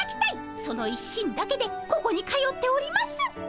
その一心だけでここに通っております。